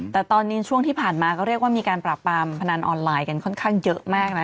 แต่ตอนนี้ช่วงที่ผ่านมาก็เรียกว่ามีการปราบปรามพนันออนไลน์กันค่อนข้างเยอะมากนะ